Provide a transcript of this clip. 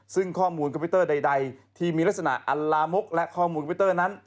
ซึ่งข้อมูลคอมพิวเตอร์ใดที่มีลักษณะอัลลามกและข้อมูลคอมพิวเตอร์นั้น